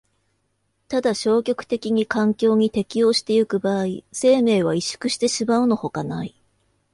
ただ消極的に環境に適応してゆく場合、生命は萎縮してしまうのほかない。